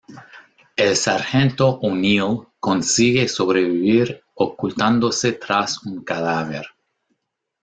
El sargento O'Neil consigue sobrevivir ocultándose tras un cadáver.